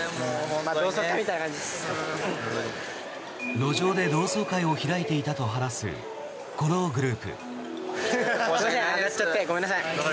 路上で同窓会を開いていたと話すこのグループ。